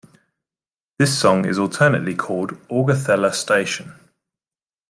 This song is alternately called "Augathella Station".